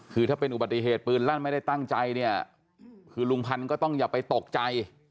คือถ้าเป็นอุบัติเหตุปืนลั่นไม่ได้ตั้งใจเนี่ยคือลุงพันธ์ก็ต้องอย่าไปตกใจ